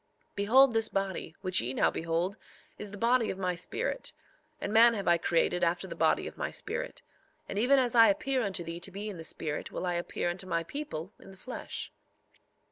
3:16 Behold, this body, which ye now behold, is the body of my spirit; and man have I created after the body of my spirit; and even as I appear unto thee to be in the spirit will I appear unto my people in the flesh.